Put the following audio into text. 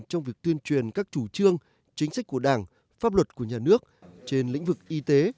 trong việc tuyên truyền các chủ trương chính sách của đảng pháp luật của nhà nước trên lĩnh vực y tế